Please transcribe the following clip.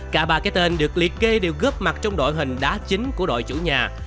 cả ba cái tên được liệt kê đều góp mặt trong đội hình đá chính của đội chủ nhà